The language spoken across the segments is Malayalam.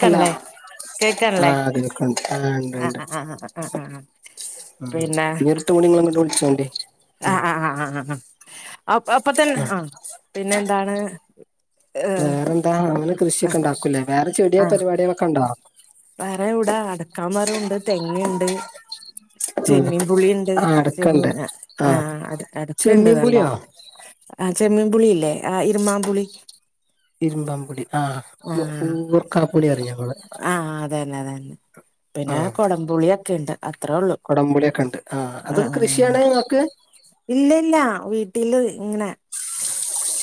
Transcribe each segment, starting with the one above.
ഹലോ കേക്ക്ൺല്ലേ ആഹ് കേൾക്കണ്ട് ആഹ് ഉണ്ട് അ ഉണ്ട് അ അ അ അ ആ പിന്നെ ഇഞ്ഞൊരുട്ടം കൂടി ഇങ്ങള് ഇങ്ങട്ട് വിളിച്ചോണ്ടി ആ ആ ആ ആആ അപ് അപ്പൊ തന്നെ ആഹ് ആ പിന്നെന്താണ് വേറെന്താ അങ്ങനെ കൃഷിക്കെ ഇണ്ടാക്കൂ ലെ വേറെ ആ ചെടിയോ പരിപാടികളോക്കെണ്ടോ വേറെ ഇവ്ടെ അടക്കാ മരണ്ട് തെങ്ണ്ട് ഉം ചെമമീം പുളിണ്ട് ആഹ് ചെമ്മീ അടക്കണ്ട് ആ ആഹ് അട് അട്ക്കണ്ട് ചെമ്മീൻ നല്ലോ പുളിയോ ആ ചെമമീം പുളില്ലേ ആ ഇരുമാം പുളി ഇരുമ്പം പുളി ആ ആ ഓർക്കാപുളിയറിം ഞങ്ങള് ആ അതന്നെ അതന്നെ പിന്നെ ആഹ് കൊടംപുളിയൊക്കെ ഇണ്ട് അത്ര ഒള്ളു കൊടംപുളിയൊക്കെ ഉണ്ട് ആഹ് ആ അതൊക്കെ ആ ആ കൃഷിയാണ് ഇങ്ങക്ക് ഇല്ല ഇല്ല വീട്ടില് ഇങ്ങനെ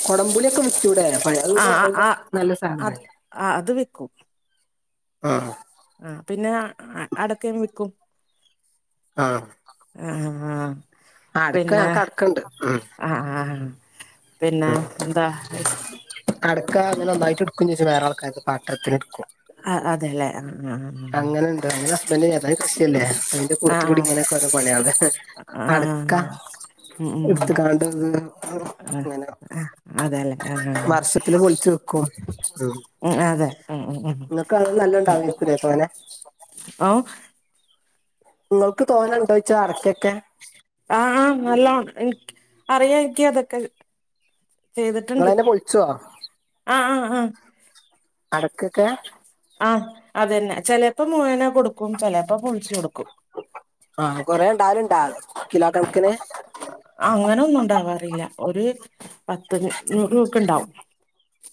കൊടംമ്പുളിയൊക്കെ വിറ്റൂടെ പ അത് ആ ആ നല്ല സാധനല്ലേ അത് ആ അത് വിക്കും ആഹ് ആ പിന്നെ അടക്കിം വിക്കും ആഹ് [unintelligible] അട്ക്ക പിന്നെ ഞങ്ങക്ക് അട്ക്കണ്ട് ഉം ആ ആ ഹ ഹ പിന്നെ എന്താ അടക്കാ അങ്ങനെ ഒന്നായിട്ട് ഇട്ക്കും ചെജ്ജും വേറെ ആൾക്കാര്ത് പാട്ടത്തിന് ഇട്ക്കും അ അതെ ലെ ആ ആ ആ അങ്ങനെ ഇണ്ട് എന്റെ ഹസ്ബൻ്റിന് ഏതാലും കൃഷിയല്ലേ അയ്ന്റെ ആ കൂട്ടത്തി ആ കൂടി അത്. ഇങ്ങനെയൊക്കെ ഓരോ പണിയള് ആ ആ അടക്ക ആ. ഉം ഉം ഇട്ത്ത് കാണ്ട് ആ ഇങ്ങനെ ആ അതെല്ലേ ആ ആ ആ. വർഷത്തില് പോൾച്ച് ക്കും ഉം അതെ ഉം ഉം ഉം ങ്ങക്ക് അത് നല്ലോണ്ടാവേയ്ക്കുലേ തോനെ ഓ ഇങ്ങക്ക് തോനണ്ടോയ്ച്ചാ അടക്കെക്കെ ആ നല്ലോൺ ഇൻക്ക് അറിയാ ഇൻകി അതൊക്കെ ചെയ്തിട്ടുണ്ട് ഇങ്ങളെന്നെ പൊൾച്ചോ ആ ആ ആ അടക്കൊക്കെ ആ അതന്നെ ചെലെപ്പോ മുയ് വന കൊടുക്കും ചെലെപ്പം പൊൾച്ചൊട്ക്കും ആ കൊറെ ഇണ്ടാവല്ണ്ടാ കിലോ കൺക്കിന് അങ്ങനെ ഒന്നു ഉണ്ടാവാറില്ല. ഒരു പത്ത് നൂറ് രൂപക്ക്ണ്ടാവും.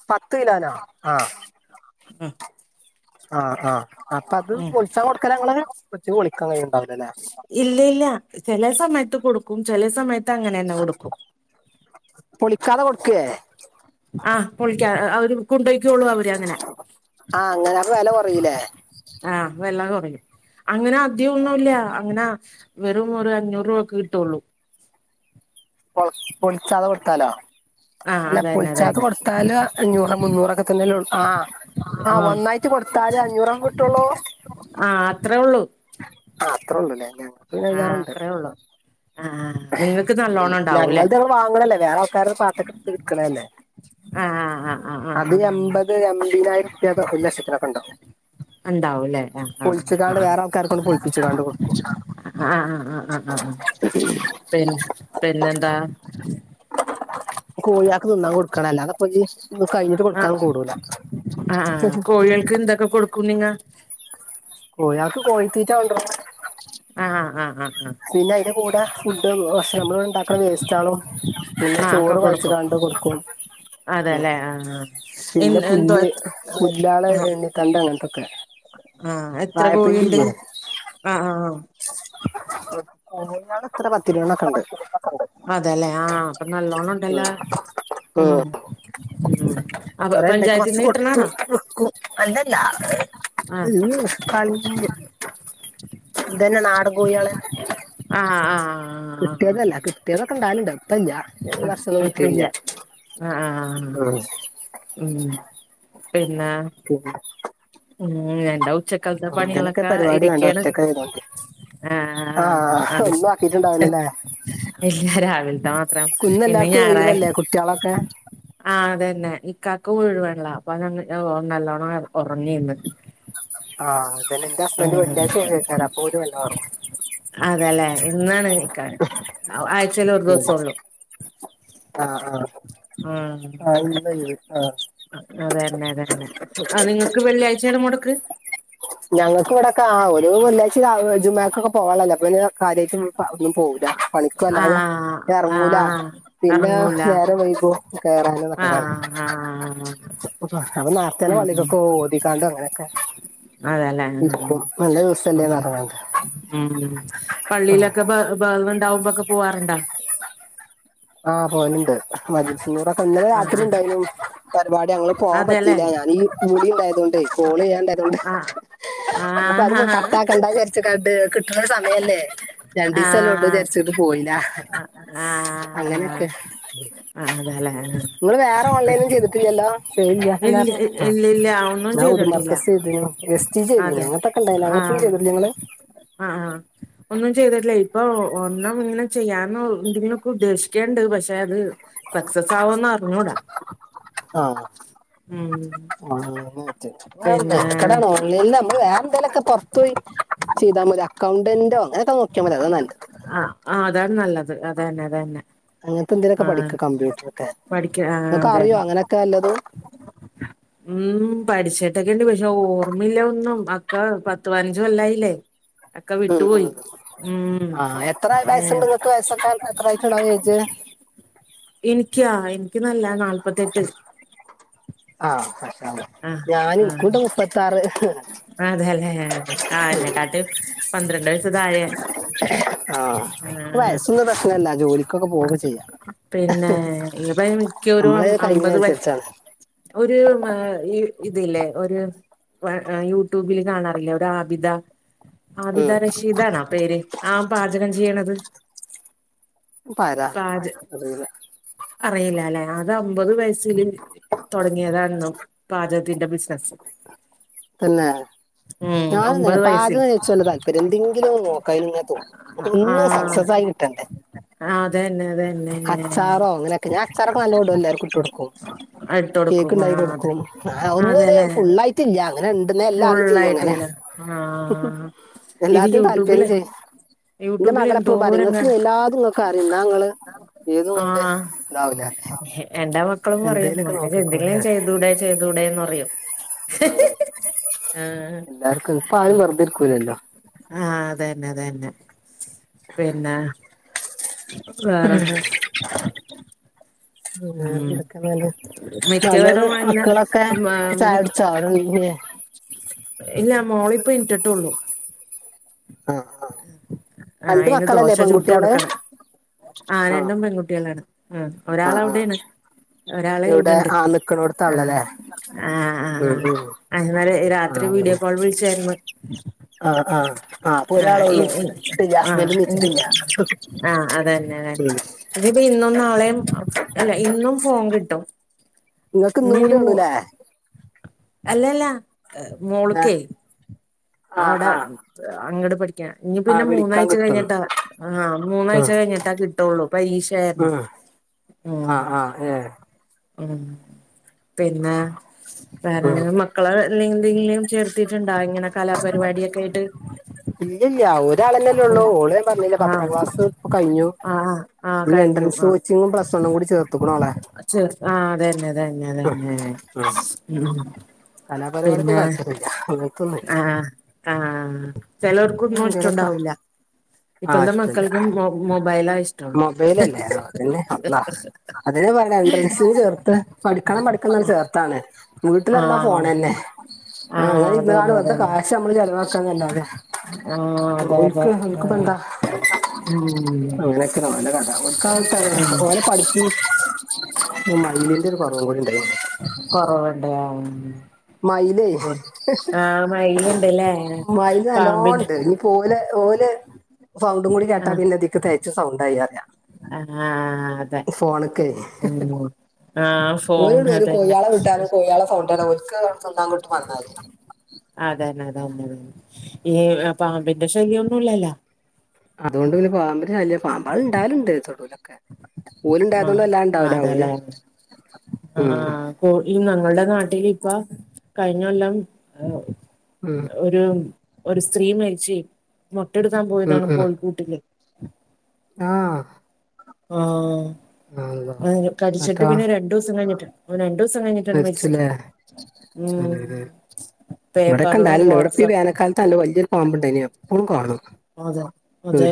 പത്ത് കിലോനോ? ആഹ്. ഉം. ആഹ് ആഹ്. അപ്പ അത് ഉം പൊൾച്ചാ കൊട്ക്കലാ ഇങ്ങള്? ഒറ്റക്ക് പൊളിക്കാൻ കയ്യൂണ്ടാവൂലല്ലേ? ഇല്ല ഇല്ല. ചെലെ സമയത്ത് കൊടുക്കും ചെലെ സമയത്ത് അങ്ങനെന്നെ കൊടുക്കും. പൊളിക്കാതെ കൊടുക്കേ? ആഹ് പൊളിക്കാതെ, അവര് കൊണ്ടോയ്ക്കോളൂ അവര് അങ്ങനെ. ആ അങ്ങനെ അപ്പൊ വില കുറയില്ലേ ആഹ് വെള്ള കൊറയും. അങ്ങനെ അധികം ഒന്നുല്ല. അങ്ങനെ വെറും ഒരു അഞ്ഞൂറ് രൂപക്ക് കിട്ടൂള്ളൂ. പൊള പൊളിച്ചാതെ കൊട്ത്താലോ? ആഹ് അല്ല അതന്നെ പൊൾച്ചാതെ അതന്നെ കൊടുത്താല് അഞ്ഞൂറ് മുന്നൂറൊക്കെ തന്നെയല്ലേ ഇള്ളൂ, ആഹ്. ആഹ് ഒന്നായിട്ട് കൊട്ത്താല് അഞ്ഞൂറെ കിട്ടൂള്ളൂ? ആഹ് അത്രേ ഇള്ളു. ആഹ് അത്രെള്ളൂല്ലേ? ഞങ്ങക്ക് പിന്നെ ഞാറ്ണ്ട്. ഉള്ളൂ ആഹ് നിങ്ങൾക്ക് ഉം. നല്ലോണം ഉണ്ടാവൂല്ലേ ഞങ്ങൾതങ്ങനെ വാങ്ങ്ണല്ല വേറ ക്കാരം പാത്രത്ത്ക്ക്ട്ക്കണല്ലേ? ആഹ് ആഹ് ആഹ് ആഹ് ആഹ് അത് ആഹ് എമ്പ ത് എമ്പതിനായിരം ഉർപ്യ ഒര് ലക്ഷത്തിനൊക്കെണ്ടാകും. ഇണ്ടാവുല്ലേ? ആഹ് ആഹ് വേറെ ആൾക്കാർക്ക് കൊണ്ട് ആഹ് ആഹ്. പൊളിപ്പിച്ചുകാണ്ട് കൊടുക്കും ആഹ് ആഹ് ആഹ് ആഹ് ആഹ് ആഹ്. പിന്നെ, പിന്നെന്താ? കോഴിയാക്ക് തിന്നാൻ കൊട്ക്കണല്ലോ? അതപ്പജ്ജ് ഇത് കയിഞ്ഞിട്ട് അഹ് അഹ് ആഹ്. കോഴിയോൾക്കെന്തൊക്കെ കൊടുക്കും നിങ്ങ? കോഴിയാക്ക് കോഴിത്തീറ്റ കൊണ്ട്രരും. ആഹ് ആഹ് ആഹ് ആഹ്. പിന്നയ്ൻ്റെ കൂടെ ഫുഡ്ഡും ഭക്ഷ നമ്മള്വ്ടണ്ടാക്ക്ണ വേസ്റ്റാളും. പിന്നെ ആ ആ ഒക്കെ ചോറ് കൊടുക്കും കൊഴച്ച്ങ്ങാണ്ട് കൊട്ക്കും. ഉം അതെല്ലേ ആ ആ എ പിന്നെ എന്തോ പുല്ല്, പുല്ലാള് ആ ഇണ്ണിത്തണ്ട് അങ്ങൻത്തൊക്കെ. വായപ്പിണ്ടില്ലേ? അഹ് ആഹ് ആഹ്. അഹ് അത് തന്ന്യാണ് അതേല്ലേ? ആഹ് അപ്പ നല്ലോണണ്ടല്ലാ? ഉം ഉം. അപ്പൊ കൊറേണ്ടാക്കി കൊർച്ച് പഞ്ചായത്തിന്ന് കൊട്ത്തു, കിട്ടണാണോ വെക്കും. അല്ലല്ല. ആ ഈഹ് കഴിഞ്ഞ്. ഇതന്നെ നാടൻ കോഴിയാളെ ആഹ് ആഹ്. കിട്ടിയേതല്ല. കിട്ടിയതൊക്കെണ്ടാവല്ണ്ട്. ഇപ്പല്ല്യ, ഈ ആ വർഷൊന്നു ആ ഇപ്പ കിട്ടീട്ടില്ല. ഇല്ല ആ ആ ആഹ്. ഉം പിന്നെ? പിന്നെ? ഉം എന്റെ ഉച്ചക്കൽത്തെ അങ്ങനൊക്കെ പണികളൊക്കെ പരിപാടി വേണ്ട ഇരിക്കേണ്. ഒറ്റക്ക് ആയതുകൊണ്ട് ആഹ് അത് ഒന്നും ആക്കിയിട്ടുണ്ടാവില്ലല്ലേ [inaudible] ഇല്ല രാവിൽത്തെ മാ ത്രം. ഇന്ന് എല്ലാർക്കും ഞാറായ് ഒഴിവല്ലേ കുട്ടികളൊക്കെ ആഹ് അതന്നെ. ഇക്കാക്ക് ഒഴിവാണല്ലൊ, അപ്പതങ്ങ് നല്ലോണം ഒറങ്ങ്വായ്യ്ന്ന്. ആഹ് അതന്നെ. ഇന്റസ്ബന്റ് വെള്ള്യായ്ച്ച ഒഴിവായ്ക്കാരം. അപ്പോര് വെല്ലെ ഒർങ്ങും. അതേല്ലേ. ഇന്നാണ് നിക്കാഹ്. ആഴ്ച്ചേല് ഒര് ദിവസൊള്ളൂ. ആഹ് ആഹ്. ആ ആഹ് ഇന്നൊയിവ് ആഹ്. അതന്നെ അതന്നെ. അഹ് നിങ്ങക്ക് വെള്ളിയാഴ്ച്ചാണ് മൊടക്ക്? ഞങ്ങക്കിവിടൊക്കെ ആഹ് ഓല് വെള്ള്യാഴ്ച രാവിലെ ജുമുഅക്കൊക്കെ പോകാള്ളല്ലേ, അപ്പൊ പിന്നെ കാര്യായിട്ടൊന്നും പ്പ ഒന്നും പോകൂല, പണിക്കു ആ അല്ലാതെ. ആ എർങ്ങൂലാ പിന്നെ ഇറങ്ങൂല നേരം വൈകും കേറാന് ആ ഞ്ഞ്കാണ്ട് ആ അപ്പ അന്ന് നാർത്തേനെ ഉം പള്ളിക്കക്കോവും ഓതിക്കാണ്ട് അങ്ങനൊക്കെ അതെലേ ഉം ഉം ദിവസല്ലേന്ന് പറഞ്ഞ്ക്കാണ്ട് ഉം ഉം ആഹ് പള്ളീലൊക്കെപ്പ ബഅ്വണ്ടാകുമ്പൊക്കെ പോവാറ്ണ്ടാ ആഹ് പോവല്ണ്ട് മജ്‌ലിസുന്നൂറൊക്കെ ഇന്നലെ ആഹ് ആഹ് രാത്രിണ്ടായ്നു പരിപാടി അങ്ങള് പോവാൻ അതെല്ലേ പറ്റീല ഞാനീ കുളിണ്ടായതോണ്ടെയ് കോളെയ്യാണ്ടായതോണ്ട് ആഹ് അപ്പത് ആഹ് കട്ടാക്കണ്ടാ വിചാരിച്ച്ക്കാണ്ട് കിട്ട്ണ സമയല്ലേ ആഹ് രണ്ടീസല്ലൊള്ളൂ വിചാരിച്ച്ട്ട് പോയീല ആഹ് അങ്ങനൊക്കെ അതെല്ലേ ഇങ്ങള് വേറെ ഓൺലൈൻല് ചെയ്തിട്ടില്ലല്ലോ ഏയ് ഇല്ല എന്നാപ്പൊ ഉം ഇല്ലില്ല ഒന്നും ഞാ ഉതും ചെയ്തിട്ടില്ല പ്രെസ്സ് ചെയ്തിനോ എക്സ്ചേൻജ് ചെയ്തിനോ അതെ അങ്ങൻത്തൊക്കേണ്ടയിന് അങ്ങൻത്തൊന്നും ആഹ് ചെയ്തിട്ടില്ല ങ്ങള്? ആഹ് ആഹ് ഒന്നും ചെയ്തിട്ടില്ല ഇപ്പൊ ഒന്നും ഇങ്ങനെ ചെയ്യാന്ന് എന്തെങ്കലുക്കെ ഉദ്ദേശിക്കണ്ട് പക്ഷെ അത് സക്സസ് ആവോന്നറിഞ്ഞൂട ആഹ് [unintelligible] ആ പിന്നെ എക്കടാണ് ഓൺലൈനിൽ നമ്മ വേറെ എന്തേലുക്കെ പൊറത്തു പോയി ചെയ്താ മതി അക്കൗണ്ടന്റോ അങ്ങനെക്കെ നോക്കിയാ മതി അത നല്ലത് ആഹ് ആഹ് അതാണ് നല്ലത് അതന്നെ അത ന്നെ അങ്ങനത്തെ എന്തേലൊക്കെ പഠിക്ക് കമ്പ്യൂട്ടർ ഒക്കെ പഠിക്ക ആഹ് ങ്ങക്ക് അറിയോ അതന്നെ അങ്ങനെയൊക്കെ അല്ലത് ഉം പഠിച്ചിട്ടൊക്കെ ണ്ട് പക്ഷെ ഓർമ്മയില്ല ഒന്നും അക്ക പത്ത് പതിനഞ്ച് കൊല്ലായില്ലേ അക്കെ ഉം ഉം വിട്ടുപോയി ഉം ആഹ് ഏ ങ്ങള ചോയിച്ചേ എനിക്കാ എനിക്ക് നല്ല നാല്പത്തെട്ട് ആഹ് ആഹ് ഞാൻ ആഹ് ഇൻക്കുണ്ട് മുപ്പത്താറ് അതെല്ലേ ആ എന്ന കാട്ട്അ പന്ത്രണ്ട് വയസു താഴെയ ആഹഹ് വയസൊന്നു പ്രശ്നല്ല ജോലിക്കൊക്കെ പോവ്ക്കെ ചെയ്യാ പിന്നെ [unintelligible] മിക്കരു നമ്മളെ അമ്പത് വ കഴിവിനനുസരിച്ചാണ് ഒരു ഇതില്ലേ ഒരു യൂട്യൂബില് കാണാറില്ലേ ഒരാബിത ആബിത ഉം രഷീദാണാ പേര് ആ പാചകം ചെയ്യണത്. പയത. പാച അറിയില്ല അല്ലെ അത് അമ്പത് വയസില്. തുടങ്ങിയതായിരുന്നു പാചകത്തിന്റെ ബിസിനസ് പിന്നേ ഉം ഞാനുംന്നെ അമ്പത് വയസ്സിൽ പാചകനിച്ച് തല്പര്യം എന്തെങ്കിലൊന്ന് നോക്കായിന് തോന്നും ഒന്നും സക്സസ് ആയി ട്ടണ്ട് ആഹ് അതെന്നെ അതെന്നെ ചാറോ അങ്ങനെയൊക്കെ ഞാ അച്ചാ റൊക്കെ നല്ലോ ഇടൂ എല്ലരിക്കു ഇട്ടോ ടുക്കും ഇട്ട് കേക്ക് കൊടുക്കും ആ ഇണ്ടാക്കി അതെ കൊടുക്കും ഒന്നൊര് അതെല്ലേ ഫുുള്ളായിറ്റില്ല അങ്ങനെ ഇണ്ടെന്ന എല്ലാം അറിം ചെയ്യും അങ്ങനെ ഫുള്ളായിട്ടില്ല ആ ഇത് എല്ലാത്തി താല്പര്യം യൂട്യൂബില് ചെയ് എന്റെ യൂട്യൂബിൽ മകളെപ്പോഴും എന്തോരം പറയുംഇങ്ങക്ക് കാണാം എല്ലാതുംങ്ങക്കറിയും ന്നാങ്ങള് എയ്തോന്നിട്ട് അതാവുലെ എണ്ടാമ മക്കളും പറയും എന്തെങ്കും ചെയ്തൂടെ ചെയ്തൂടെന്നറിയും എല്ലാർക്കും ഇപ്പ ആരും വെറുതെരിക്കൂലല്ലോ ആഹ് അതെന്നെ അതെന്നെ പിന്ന മ്മ് ഉം [unintelligible] മകള് മിക്കവരും അങ്ങനെ മക്കളൊക്കെ ചായുടിച്ചോഅവിടെല്ലേ ഇല്ല മോളിപ്പ എണീറ്റിട്ടെഉള്ളു ആഹ് ആഹ് ആഹ് അയിന് ദോശ ചുട്ട് കൊടുക്കണം ആ രണ്ടും പെൺകുട്ടികളാണ് ഉ ആ ഒരാള അവ ആ ടെണ ഒരാള് ഇവിടെ ഇവിടുണ്ട് ആ ആഹ് നിക്കണോടത്താണല്ലേ ആഹ് ഉം ഉം ആഹ് ന്നലെ ആ രാത്രി വീഡിയോ അതന്നെ കോളും വിളിച്ചായിരുന്നു ആഹ് ആഹ് ആ അപ്പൊ ആഹ് ഒരാളെ ഇ ഉള്ളൂ ഇ ആഹ് ആഹ് അതന്നഅതെന്നെ തെ ഉം ഇതിപ്പോ ഇന്നും നാളെയും അല്ല ഇന്നും ഫോൺ കിട്ടും നിങ്ങൾക്ക് ഇനി ഇന്നും ഇനി കൂടെ മോ ഉള്ളൂ ല്ലേ. അല്ലല്ല ഏഹ് മോള്ക്കെയ് ആഹ് ആഹ് അവടഅങ്ങട് പഠിക്കാ ഇനി ആഹ് പിന്നെ വിളിക്കാൻ മൂന്നാഴ്ച കിട്ടും കഴിഞ്ഞിട്ടാ ആഹ് മൂന്നാഴ്ച ആഹ് കഴിഞ്ഞിട്ടാ കിട്ടുള്ളൂ പരീക്ഷ കാരണം. ആഹ ആഹ ഏ ഉ പിന്നെ വേറെ ഉം വേറെ മക്കൾ. മക്കളെ എന്തിനെങ്കിലും എന്തെങ്കിലും ചേർത്തിട്ടുണ്ടോ ഇങ്ങനെ കലാപരിപാടിിയൊക്കെ ആയിട്ട്. ഇല്ലല്ല ഒരാളന്നെല്ലേ ഉള്ളൂ ഓള് ഞാൻ പറഞ്ഞില്ലേ പത്താം ക്ലാസ് കഴിഞ്ഞു. ആഹ എൻട്രൻസ് കോച്ചിങ്ങും ചേർത്ത്ക്ണ് അവളെ ചെ ആ അത തന്നെതന്നെ അതന്നെ ഉ. കലാപരിപാടി ക്കും താല്പര്യമില്ല. അങ്ങനത്തൊന്നുമില്ല ആഹ ആഹ് ചെലോർക്കൊന്നും അങ്ങനെന്തേലൊക്കെ ഇഷ്ടംണ്ടാവൂല്ല. ആഹ് ഇപ്പോഴത്തെ ഇഷ്ടല്ല മക്കൾക്ക് മൊബൈല് ഇഷ്ടം. മൊബൈലല്ലേ അതന്നെ അള്ളാ. അതിനന് പറ എൻട്രൻസിന് ചേർത്ത് പഠിക്കണം പഠിക്കണം ചേർത്താണ് ആ വീട്ടിലന്നാ ഫോ ണന്നെ. ആ ആഹ, ങ്ങനെ ഇരുന്നാണ്ട്‌ അതന്നെ വെറുതെ അതന്നെ കാശ്‌ നമ്മള് ചെലവാക്കാന്നല്ല തെ ആ അതെ ഓല്. അതെ ക്ക് ആ ക്ക് പ്പന്താ. ഹേ ഉം അങ്ങനെ ഓലെ കഥ ഉം ഓലപഠിപ്പി. [inaudible] മയി ലിന്റെ ഒരു കുറവും കൂടി ഉണ്ട്. കൊറവണ്ടഉം മയിലേ ആഹ് മയിലുണ്ടല്ലേ മയില് പാമ്പിന് നല്ലോണ്ട് ഇനിയിപ്പോ ഓല് ഓല് സൗണ്ടും കൂടി കേട്ടാ പിന്നെതിക്ക് തേച് സൗണ്ടായി അറിയാം. ആ ആഹ ആ അതെ ഫോണികൈ ഉം ആ ഓല് ഫോൺ വരും കൊയയാളെ അതന്നെ വിട്ടാനും കൊയാള സൗണ്ടാനും ഒരിക്ക സ്വന്തംട്ട് വന്നതന്നെ [inaudible] അത അതേ അതേ തന്നെ അത തന്നെത തന്നെ ഈ പാമ്പിന്റെ ശല്യം ഒന്നും ഇല്ലല്ലോ. അതുകൊണ്ട് പിന്നെ പാമ്പിൻ്റെ ശല്യ പാമ്പാൾ ഉണ്ടായാലുണ്ട് തൊടു ലൊ ഓല് ണ്ടായത ആഹ് തൊണ്ട് എല്ലാ ആഹ് ഉണ്ടാവല ഓല് അതല്ലേ ഉ. ഓ ഈ ഞങ്ങളുടെ നാട്ടിൽ ഇപ്പൊ കഴിഞ്ഞ കൊല്ലം. ഉം ഒരു ഒരു സ്ത്രീ മരിച്ച് മൊട്ടെടുക്കാൻ പോയതാണ് കോഴിക്കൂട്ടില്. ആഹ ആ അള്ളാ കടിച്ചിട്ട് എന്നിട്ടോ പിന്നെ രണ്ടു ദവസം കഴിഞ്ഞിട്ട്. അവ രണ്ടു ദിവസം കഴിഞ്ഞിട്ടാണ് മരിച്ചത് മരിച്ചുല്ലേ ഉം. പേപ്പറിലും ഇവിടെൊക്കെണ്ടാലുണ്ട് ഇവിടെപ്പ വാട്സപ്പ് വേനക്കാലത്തല്ല വല്യ ഒരു പാമ്പുണ്ടണ്ടായിരുന്നു എപ്പോഴും കാണും. അതെ അതെ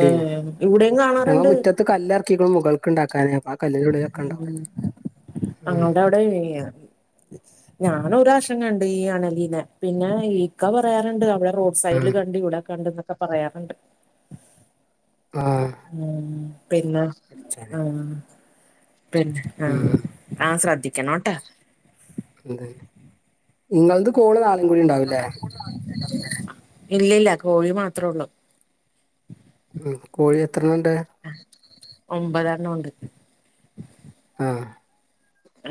ഇവിടെയും കാണാറുണ്ട്. കല്ലറക്കികളും മുകൾക്ക ഉണ്ടാക്കാനെ. പ ഉം അങ്ങുടെ അവിടെ. ഇനി ഞാനൊരാശങ്കുണ്ട് ഈ അണലീനെ പിന്നെ ഇക്ക പറയാറുണ്ട് അവിടെ. റോഡ് സൈഡില് ഉം കണ്ടി ഇവിടെ കണ്ടന്നൊക്കെ പറയാറ്ണ്ട്. ആഹ് ഉം പിന്നെ ആഹ് പിന്നെ ആഹ് ഉം ആഹ് ശ്രദ്ധിക്കണോട്ടൊ ന്തെന്നെ ഇങ്ങൾത് കോള് നാളിം കൂടി ഇണ്ടാവുല്ലേ. ഇല്ലല്ല കോഴി മാത്രേ ഒള്ളൂ. ഉം കോഴി എത്രണ്ണ ണ്ട്. ഒമ്പതെണ്ണം ഉണ്ട് ആഹ്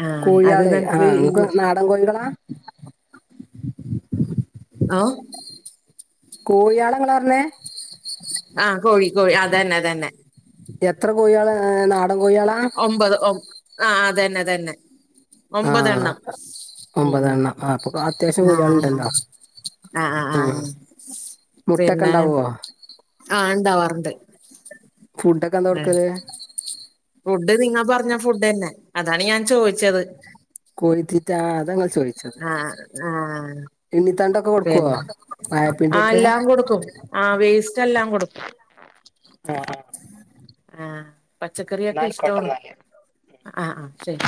ആഹ് കോഴിയാള് ആഹ് ഇങ്ങക്ക് നാടൻ കോഴികളാ. ഓ കോഴിയാള ഇങ്ങളർഞ്ഞേ ആഹ് കോഴി കോഴി അതെന്നെ അതെന്നെ എത്ര കോഴിയളാ നാടൻ കോഴിയളാ ഒമ്പത് ഒ ആഹ് തന്നെ തന്നെ ആ ഒമ്പതെണ്ണം ഒമ്പതെണ്ണം ആ അപ്പൊ പിന്നെ അത്യാവശ്യം ഉം ആഹ് കോഴികളുണ്ടല്ലോ ആഹ് ഉം ആഹ് മുട്ടൊക്കെ പിന്നെ ഉണ്ടാവോ ആഹ് ഇണ്ടാവാറ്ണ്ട് ഫുഡൊക്കെ എന്താ കൊടുക്കല് ഫുഡ് നിങ്ങ പറഞ്ഞ ഫുഡെന്നെ അതാണ് ഞാൻ ചോയിച്ചത് കോഴത്തീറ്റാ അതങ്ങ ആഹ് ആഹ് എണ്ണിത്തണ്ടൊക്കെ കൊടുക്കുവോ പിന്നെ ആഹ് വാഴപ്പിണ്ടിയൊക്കെ എല്ലാകൊടുക്കും ആഹ് വേസ്റ്റെല്ലാം കൊടുക്കും ആഹ് ആഹ് ആഹ് എന്നാ പച്ചക്കറിയൊക്കെ ആയിക്കോട്ടെ ഇഷ്ടാണ് എന്നാല് ആഹ് ആഹ് ശെരി